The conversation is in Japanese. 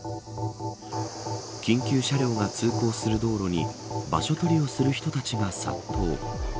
緊急車両が通行する道路に場所取りをする人たちが殺到。